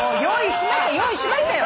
用意しましたよ。